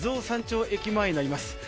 山頂駅前になります。